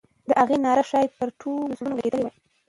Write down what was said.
د هغې ناره ښایي پر ټولو زړونو لګېدلې وای.